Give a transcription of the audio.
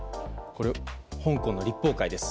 香港の立法会です。